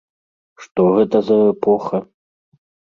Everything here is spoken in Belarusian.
Што гэта за эпоха?